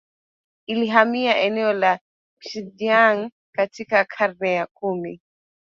ilihamia eneo la Xinjiang Katika karne ya kumi